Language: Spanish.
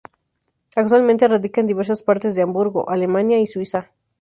Actualmente radica en diversas partes de Hamburgo, Alemania y Suiza.